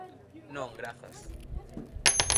–Non, grazas.